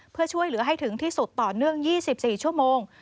เพื่อช่วยเหลือให้ถึงที่สุดต่อเนื่อง๒๔ชั่วโมง